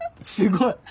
すごい！